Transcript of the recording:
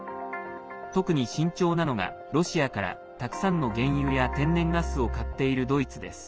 特に慎重なのがロシアからたくさんの原油や天然ガスを買っているドイツです。